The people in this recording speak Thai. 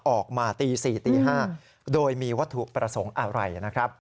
ออกมาตี๔ตี๕โดยมีวัตถุประสงค์อะไรนะครับ